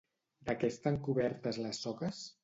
De què estan cobertes les soques?